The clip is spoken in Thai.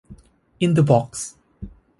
อินเดอะบ็อกซ์